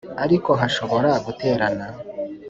Ariko hashobora guterana